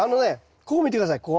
ここ見て下さいここ。